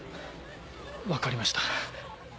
分かりました。